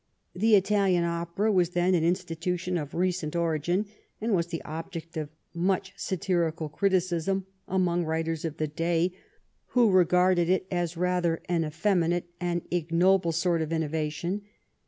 The Italian opera was then an institution of recent origin, and was the object of much satirical criticism among writers of the day who regarded it as rather an effeminate and ignoble sort of innovation.